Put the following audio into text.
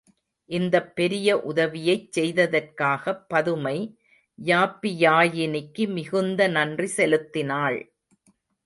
இந்தப் பெரிய உதவியைச் செய்ததற்காகப் பதுமை யாப்பியாயினிக்கு மிகுந்த நன்றி செலுத்தினாள்.